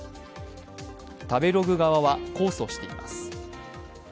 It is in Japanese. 食べログ側は控訴しています。